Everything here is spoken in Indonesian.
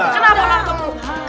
kenapa gak ketemu